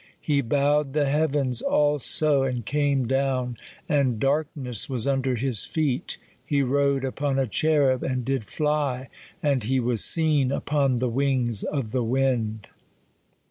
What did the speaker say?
" He bowed the heavens also, and came down, and darkness was under his feet ; he rode upon a cherub, and did fly, and he was seen upon the wings of the wind."'